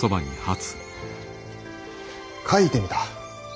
書いてみた。